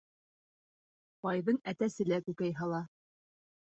Байҙың әтәсе лә күкәй һала.